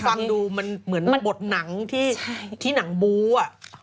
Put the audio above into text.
ฟังดูมันเหมือนบทหนังที่หนังบู๊อ่ะ